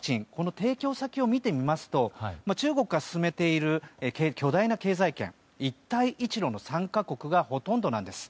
提供先を見てみますと中国が進めている巨大な経済圏一帯一路の参加国がほとんどなんです。